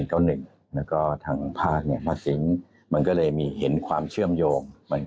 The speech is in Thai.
แล้วก็ทางภาคสิงมันก็เลยมีเห็นความเชื่อมโยง